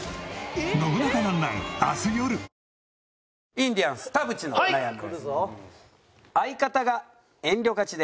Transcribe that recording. インディアンス田渕のお悩みです。